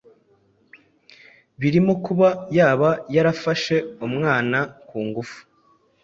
birimo kuba yaba yarafashe umwana ku ngufu